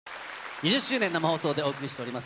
２０周年、生放送でお送りしております